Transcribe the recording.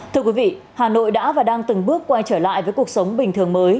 thưa quý vị hà nội đã và đang từng bước quay trở lại với cuộc sống bình thường mới